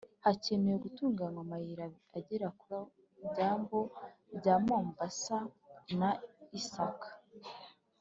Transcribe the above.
hakenewe gutunganywa amayira agera ku byambu bya mombasa (muri kenya) na issaka (muri tanzaniya)